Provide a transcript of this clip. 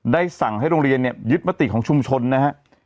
ได้สั่งให้โรงเรียนเนี่ยยึดมติของชุมชนนะฮะ